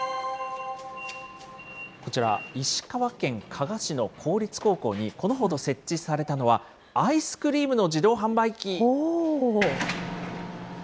こちら、石川県加賀市の公立高校にこのほど設置されたのは、アイスクリームの自動販売機。